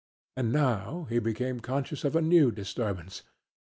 And now he became conscious of a new disturbance.